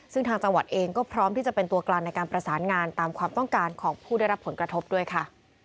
ซึ่งทางจังหวัดเองก็พร้อมที่จะเป็นตัวกลางในการประสานงานตามความต้องการของผู้ได้รับผลกระทบด้วยค่ะ